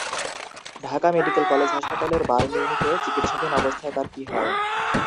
Dhaka medical college হাসপাতালের burn ইউনিটে চিকিৎসাধীন অবস্থায় তাঁর কি হয়?